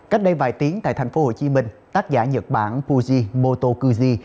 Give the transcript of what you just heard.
cách đây vài tiếng tại thành phố hồ chí minh tác giả nhật bản puji motokuzi